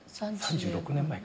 ３６年前。